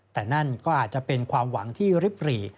แต่นั่นก็อาจจะเป็นความหวังที่ริบหรี่